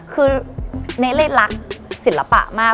คือเนรรักศิลปะมาก